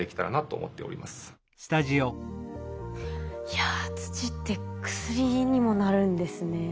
いや土って薬にもなるんですね。